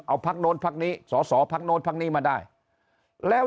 เอาภักดิ์โน้นภักดิ์นี้สอภักดิ์โน้นภักดิ์นี้มาได้แล้ว